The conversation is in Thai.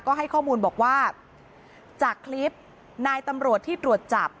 ก็ให้ข้อมูลบอกว่าจากคลิปนายตำรวจที่ตรวจจับ